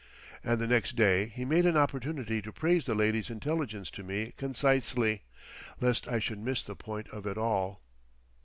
And the next day he made an opportunity to praise the lady's intelligence to me concisely, lest I should miss the point of it all.